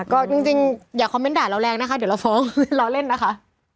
ก็จริงอย่าคอมเมนต์ด่าเราแรงนะคะเดี๋ยวเราฟ้องเราเล่นนะคะ